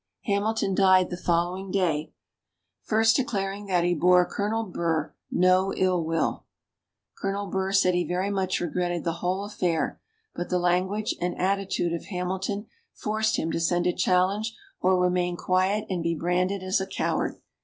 Hamilton died the following day, first declaring that he bore Colonel Burr no ill will. Colonel Burr said he very much regretted the whole affair, but the language and attitude of Hamilton forced him to send a challenge or remain quiet and be branded as a coward.